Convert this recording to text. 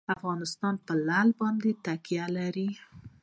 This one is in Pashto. افغانستان په لعل باندې تکیه لري.